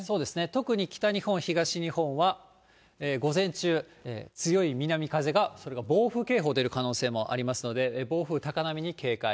特に北日本、東日本は、午前中、強い南風が、それが暴風警報が出る可能性もありますので、暴風、高波に警戒。